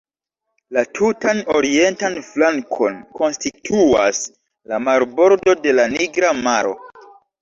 La tutan orientan flankon konstituas la marbordo de la Nigra Maro.